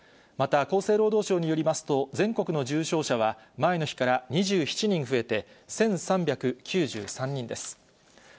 また厚生労働省によりますと、全国の重症者は、前の日から２７人増えて、１３９３人です。